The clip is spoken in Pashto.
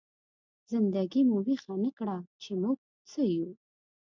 زنده ګي مو ويښه نه کړه، چې موږ څه يو؟!